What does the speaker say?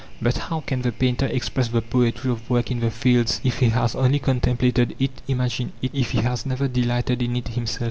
But how can the painter express the poetry of work in the fields if he has only contemplated it, imagined it, if he has never delighted in it himself?